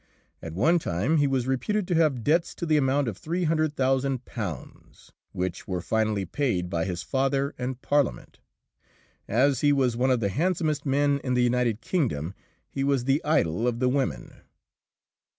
At one time he was reputed to have debts to the amount of £300,000 which were finally paid by his father and Parliament. As he was one of the handsomest men in the United Kingdom, he was the idol of the women.